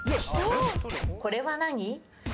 これは何？